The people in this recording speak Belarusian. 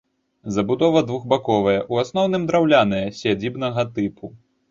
Забудова двухбаковая, у асноўным драўляная, сядзібнага тыпу.